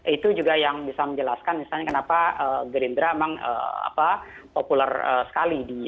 itu juga yang bisa menjelaskan misalnya kenapa gerindra memang populer sekali